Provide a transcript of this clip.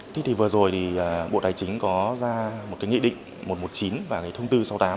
thế thì vừa rồi thì bộ tài chính có ra một cái nghị định một trăm một mươi chín và cái thông tư sáu mươi tám